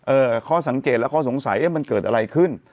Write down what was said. ข้อสังเกตและข้อสงสัยเอ๊ะมันเกิดอะไรขึ้น